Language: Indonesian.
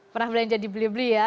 pernah belanja di beli beli ya